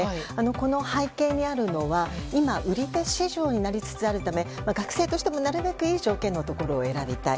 この背景にあるのは今売り手市場になりつつあるため学生としても、なるべくいい条件のところを選びたい。